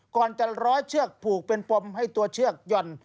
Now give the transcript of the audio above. ก่อนจะร้อยเชือกผูกเป็นปมให้ตัวเชือกหย่อน